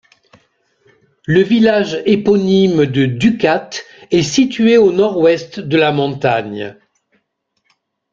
Le village éponyme de Dukat est situé au nord-ouest de la montagne.